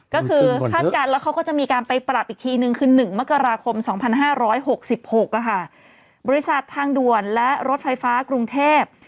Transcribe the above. ก็คือแล้วเขาก็จะมีการไปปรับอีกทีหนึ่งคือหนึ่งมกราคมสองพันห้าร้อยหกสิบหกอ่ะค่ะบริษัททางด่วนและรถไฟฟ้ากรุงเทพ